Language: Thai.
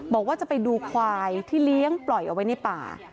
บอกว่าจะไปดูควายที่เลี้ยงปล่อยเอาไว้ในป่า